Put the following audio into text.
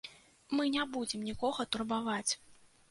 Мы не будзем нікога турбаваць.